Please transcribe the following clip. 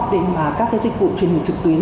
để mà các dịch vụ truyền hình trực tuyến